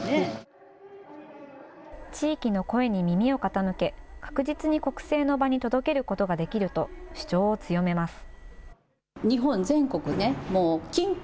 地域の声に耳を傾け、確実に国政の場に届けることができると、主張を強めます。